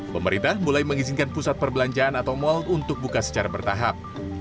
pemerintah mulai mengizinkan pusat perbelanjaan atau mal untuk buka secara bertahap